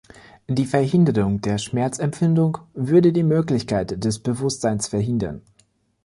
Die Verhinderung der Schmerzempfindung würde die Möglichkeit des Bewusstseins verhindern.